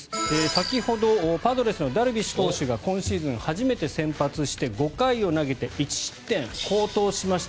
先ほどパドレスのダルビッシュ投手が今シーズン初めて先発して５回を投げて１失点好投しました。